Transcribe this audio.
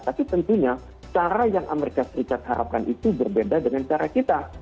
tapi tentunya cara yang amerika serikat harapkan itu berbeda dengan cara kita